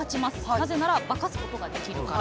なぜなら化かすことができるから。